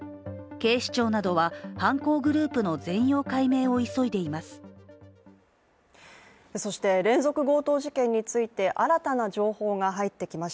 警視庁などは、犯行グループの全容解明を急いでいます。